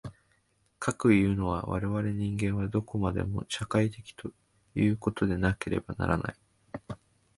かくいうのは、我々人間はどこまでも社会的ということでなければならない。